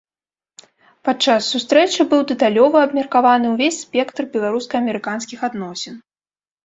Падчас сустрэчы быў дэталёва абмеркаваны ўвесь спектр беларуска-амерыканскіх адносін.